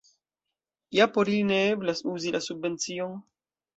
Ja por ili ne eblas uzi la subvencion?